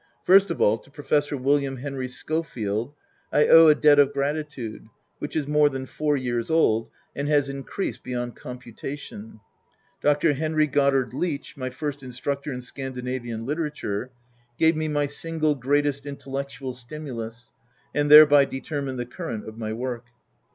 First of all, to Professor William Henry Schofield I owe a debt of gratitude which is more than four years old, and has increased beyond computa tion. Dr. Henry Goddard Leach, my first instructor in Scandinavian literature, gave me my greatest single in tellectual stimulus, and thereby determined the current of my work.